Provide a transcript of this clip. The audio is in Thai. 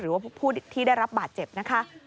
หรือว่าผู้ที่ได้รับบาดเจ็บนะคะ